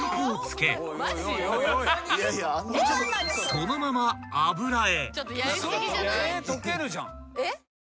［そのまま油へ］